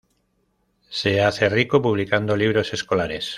Se hace rico publicando libros escolares.